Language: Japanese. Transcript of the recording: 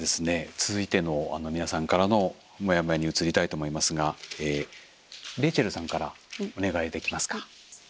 続いての皆さんからのモヤモヤに移りたいと思いますがレイチェルさんからお願いできますか？